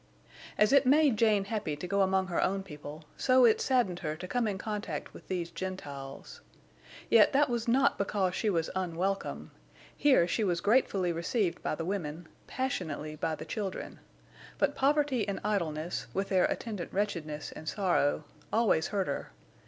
As it made Jane happy to go among her own people, so it saddened her to come in contact with these Gentiles. Yet that was not because she was unwelcome; here she was gratefully received by the women, passionately by the children. But poverty and idleness, with their attendant wretchedness and sorrow, always hurt her.